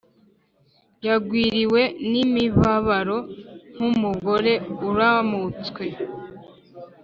Yagwiririwe n’imibabaro nk’umugore uramutswe: